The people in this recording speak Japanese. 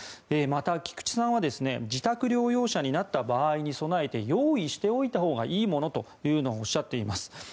また菊池さんは自宅療養者になった場合に備えて用意しておいたほうがいいものをおっしゃっています。